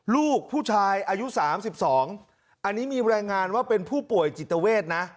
ลูกผู้ชายอายุ๓๒อันนี้มีรายงานว่าเป็นผู้ป่วยจิตเวทนะ